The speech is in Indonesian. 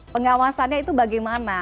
pengawasannya itu bagaimana